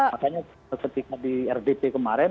makanya ketika di rdp kemarin